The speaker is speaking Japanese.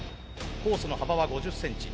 コースの幅は５０センチ。